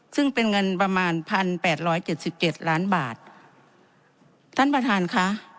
ซึ่งเป็นเงินประมาณพันแปดร้อยเจ็ดสิบเจ็ดล้านบาทท่านประธานค่ะ